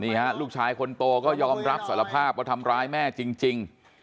นี่ฮะลูกชายคนโตก็ยอมรับสารภาพว่าทำร้ายแม่จริง